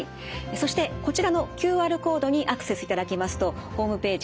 そしてこちらのＱＲコードにアクセスいただきますとホームページ